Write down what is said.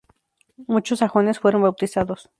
Muchos sajones fueron bautizados.